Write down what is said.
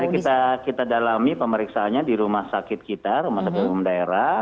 ini kita dalami pemeriksaannya di rumah sakit kita rumah sakit umum daerah